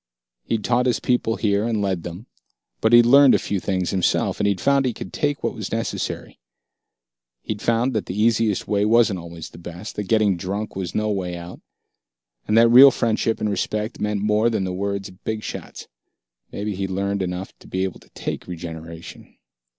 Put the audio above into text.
He'd taught his people here, and led them; but he'd learned a few things himself he'd found he could take what was necessary. He'd found that the easiest way wasn't always the best, that getting drunk was no way out, and that real friendship and respect meant more than the words of big shots. Maybe he'd learned enough to be able to take regeneration....